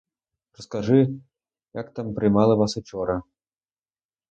Розкажи, як там приймали вас учора.